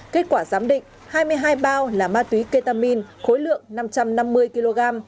kết quả giám định hai mươi hai bao là ma túy ketamin khối lượng năm trăm năm mươi kg